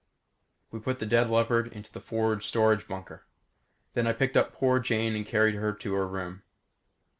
We put the dead leopard into the forward storage bunker. Then I picked up poor Jane and carried her to her room.